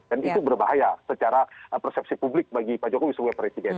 dan itu berbahaya secara persepsi publik bagi pak jokowi sebagai presiden